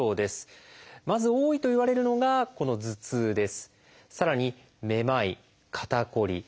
まず多いといわれるのがこの「頭痛」です。